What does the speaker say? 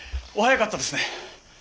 お早かったですね。